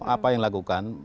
apa yang dilakukan